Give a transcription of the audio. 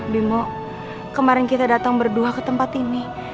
bimo kemarin kita datang berdua ke tempat ini